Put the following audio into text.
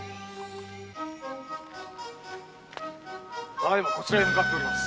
ただ今こちらに向かっております